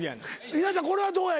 稲ちゃんこれはどうや？